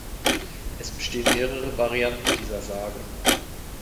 Es bestehen mehrere Varianten dieser Sage.